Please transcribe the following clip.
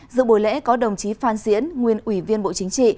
dự buổi lễ có đồng chí phan diễn nguyên ủy viên bộ chính trị